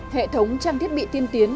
hệ thống trang thiết bị tiên tiến